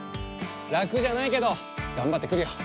ラクじゃないけどがんばってくるよ。